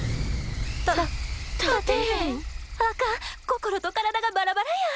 心と体がバラバラや。